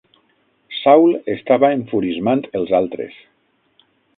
Saul estava enfurismant els altres.